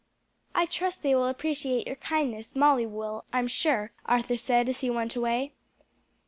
"I trust they will appreciate your kindness; Molly will, I am sure," Arthur said as he went away.